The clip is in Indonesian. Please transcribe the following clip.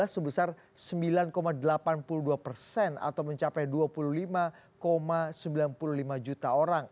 sebesar sembilan delapan puluh dua persen atau mencapai dua puluh lima sembilan puluh lima juta orang